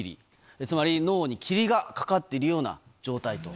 つまり脳に霧がかかっているような状態と。